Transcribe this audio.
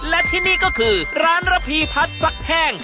และที่นี่ก็คือร้านระพีพัฒน์ซักแห้ง